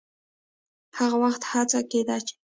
هغه وخت هڅه کېده چې